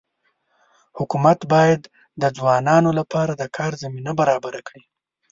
حکومت باید د ځوانانو لپاره د کار زمینه برابره کړي.